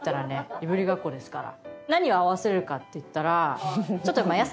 いぶりがっこですから。